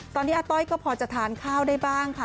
ตอนนี้อาต้อยก็พอจะทานข้าวได้บ้างค่ะ